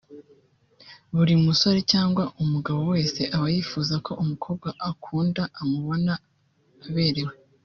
Buri musore cyangwa umugabo wese aba yifuza ko umukobwa akunda amubona aberewe